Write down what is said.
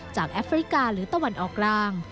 แอฟริกาหรือตะวันออกกลาง